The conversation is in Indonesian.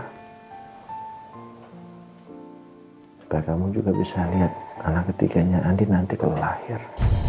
supaya kamu juga bisa lihat anak ketiganya andi nanti kelahir